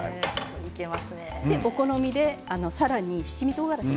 お好みでさらに七味とうがらし。